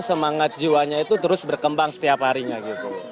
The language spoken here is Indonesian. semangat jiwanya itu terus berkembang setiap harinya gitu